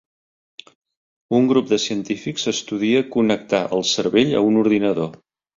Un grup de científics estudia connectar el cervell a un ordinador